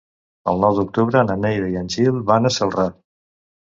El nou d'octubre na Neida i en Gil van a Celrà.